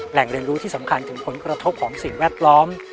แหล่งเรียนรู้ที่สำคัญถึงผลกระทบของสิ่งแวดล้อม